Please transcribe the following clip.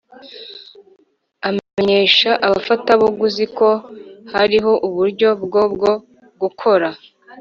amenyesha abafatabaguzi ko hariho uburyo bwo bwo gukora